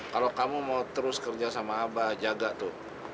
kalau kamu mau terus kerja sama abah jaga tuh